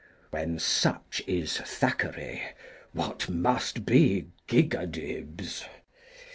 When such is Thackeray, what must be Gigadibs?